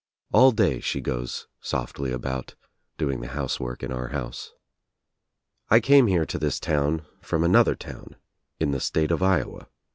All day she goes softly about, doing the housework in our house. I came here to this town from another town in the state of Iowa.